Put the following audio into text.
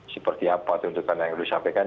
seperti apa tuntutan yang disampaikan